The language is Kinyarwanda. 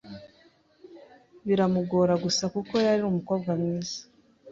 biramugora gusa kuko yari umukobwa mwiza